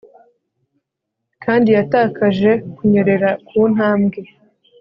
kandi yatakaje kunyerera kuntambwe